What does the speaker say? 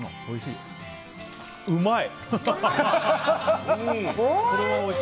うまい！